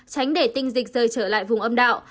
tránh để tinh dịch rơi trở lại vùng âm đạo